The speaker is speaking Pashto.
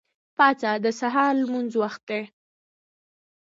پاڅه! د سهار د لمونځ وخت دی.